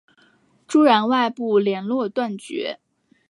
朱然外部连络断绝。